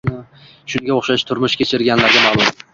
shunga o'xshash turmush kechirganlarga ma'lum.